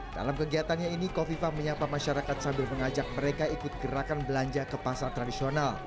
dalam kegiatannya ini kofifa menyapa masyarakat sambil mengajak mereka ikut gerakan belanja ke pasar tradisional